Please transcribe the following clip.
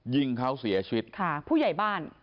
ยิงเขาเสียชีวิต